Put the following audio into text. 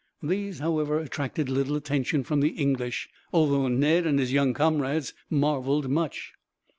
These, however, attracted little attention from the English, although Ned and his young comrades marveled much.